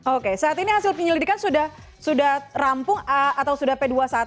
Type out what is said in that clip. oke saat ini hasil penyelidikan sudah rampung atau sudah p dua puluh satu